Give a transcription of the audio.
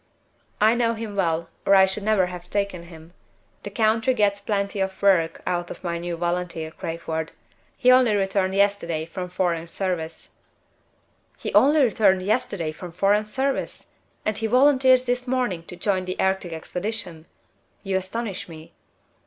I know him well, or I should never have taken him. The country gets plenty of work out of my new volunteer, Crayford. He only returned yesterday from foreign service." "He only returned yesterday from foreign service! And he volunteers this morning to join the Arctic expedition? You astonish me."